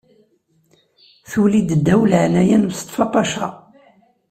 Tuli-d ddaw leɛnaya n Mustafa Paca.